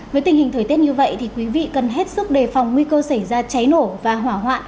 với tình hình thời tiết như vậy thì quý vị cần hết sức đề phòng nguy cơ xảy ra cháy nổ và hỏa hoạn